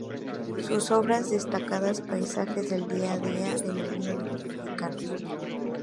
Sus obra destacan paisajes del día a día de la vida de los mexicanos.